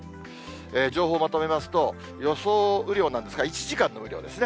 情報をまとめますと、予想雨量なんですが、１時間の雨量ですね。